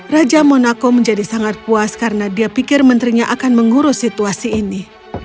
raja monaco menjadi sangat puas karena dia pikir menterinya akan mengurus situasi ini